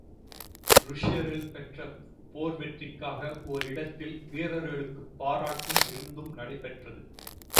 ருஷ்யர்கள் பெற்ற போர் வெற்றிக்காக ஓரிடத்தில் வீரர்களுக்குப் பாராட்டும் விருந்தும் நடைபெற்றது.